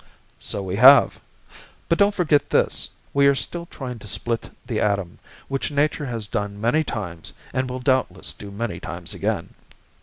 "So we have. But don't forget this. We are still trying to split the atom, which nature has done many times and will doubtless do many times again.